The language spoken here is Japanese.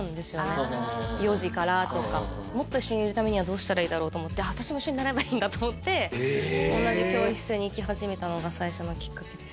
あ４時からとかもっと一緒にいるためにはどうしたらいいだろうと思って同じ教室に行き始めたのが最初のきっかけです